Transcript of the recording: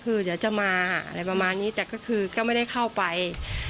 คือเดี๋ยวจะมาอะไรประมาณนี้แต่ก็คือก็ไม่ได้เข้าไป